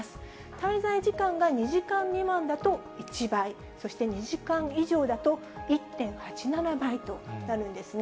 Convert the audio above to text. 滞在時間が２時間未満だと１倍、そして２時間以上だと１．８７倍となるんですね。